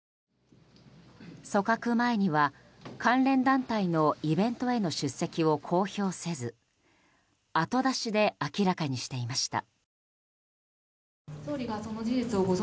組閣前には関連団体のイベントへの出席を公表せず後出しで明らかにしていました。